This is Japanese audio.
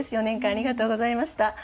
４年間ありがとうございました。